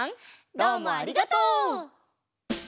どうもありがとう！